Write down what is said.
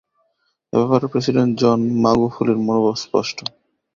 এ ব্যাপারে president John মাগুফুলির মনোভাব স্পষ্ট।